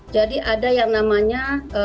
jadi ada yang namanya